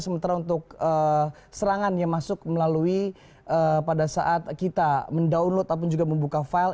sementara untuk serangan yang masuk melalui pada saat kita mendownload ataupun juga membuka file